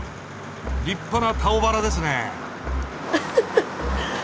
立派な「タオバラ」ですね。